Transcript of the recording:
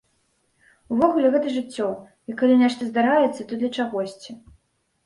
Увогуле, гэта жыццё, і калі нешта здараецца, то для чагосьці.